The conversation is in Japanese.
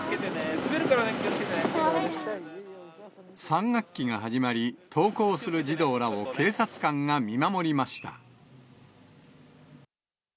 滑るからね、３学期が始まり、登校する児童らを警察官が見守りました。